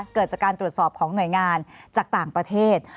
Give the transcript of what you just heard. เกิดจากการตรวจสอบของหน่วยงานจากต่างประเทศ